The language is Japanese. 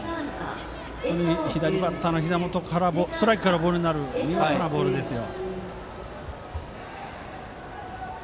左バッターのひざ元ストライクからボールになる見事なボールですよ。